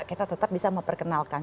kita tetap bisa memperkenalkan